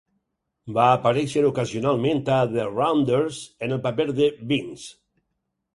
Va aparèixer ocasionalment a "The Rounders" en el paper de "Vince".